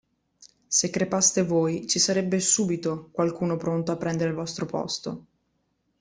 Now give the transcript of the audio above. Se crepaste voi, ci sarebbe subito qualcuno pronto a prendere il vostro posto!